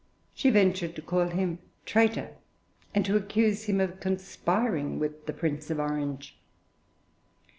She ventured to call him 'traitor' and to accuse him of conspiring with the Prince of Orange.